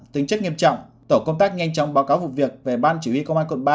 tính chất nghiêm trọng tổ công tác nhanh chóng báo cáo vụ việc về ban chỉ huy công an quận ba